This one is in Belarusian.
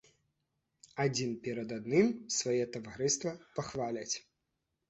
Адзін перад адным свае таварыства пахваляць.